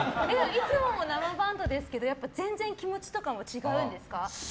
いつもも生バンドですけどやっぱ全然気持ちとかも違うんですか？